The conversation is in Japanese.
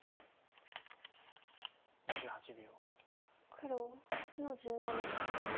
黒８の十七。